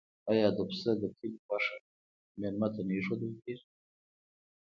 آیا د پسه د کلي غوښه میلمه ته نه ایښودل کیږي؟